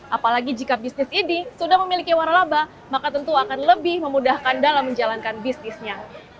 apalagi jika bisnis ini sudah memiliki warna laba maka tentu akan lebih memudahkan dalam menjalankan bisnisnya